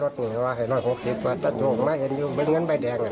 จะสิบประหลายใบครับ